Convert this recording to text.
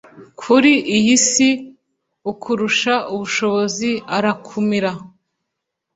kuri iyi Si ukurusha ubushobozi arakumira